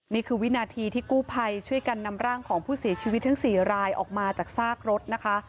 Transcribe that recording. นี่คือวินาทีที่กู้ภัยช่วยกันนำร่างของผู้เสียชีวิตทั้ง๔รายออกมาจากซากรถนะคะ